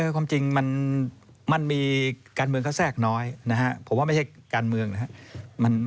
ความจริงมันมีการเมืองเขาแทรกน้อยนะฮะผมว่าไม่ใช่การเมืองนะครับ